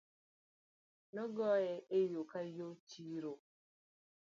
Nogoye e yoo koyaa chiro